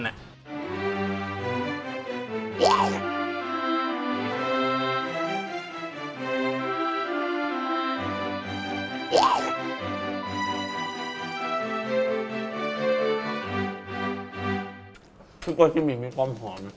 คือโกยซิมีมีความหอม